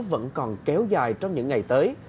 vẫn còn kéo dài trong những ngày tới